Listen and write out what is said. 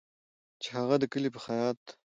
چې هغه د کلي په خیاط